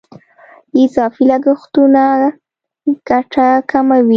اضافي لګښتونه ګټه کموي.